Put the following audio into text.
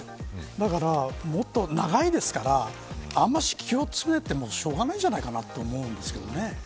だからもっと長いですからあまり気を詰めてもしょうがないんじゃないかなと思うんですけどね。